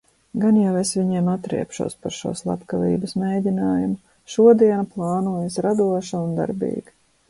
Gan jau es viņiem atriebšos par šo slepkavības mēģinājumu. Šodiena plānojas radoša un darbīga!